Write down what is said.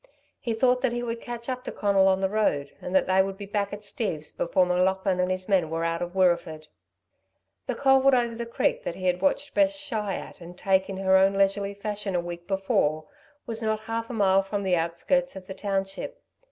He thought that he would catch up to Conal on the road, and that they would be back at Steve's before M'Laughlin and his men were out of Wirreeford. The culvert over the creek that he had watched Bess shy at and take in her own leisurely fashion a week before, was not half a mile from the outskirts of the township.